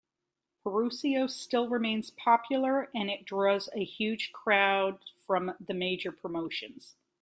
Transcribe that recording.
Puroresu still remains popular and it draws huge crowds from the major promotions.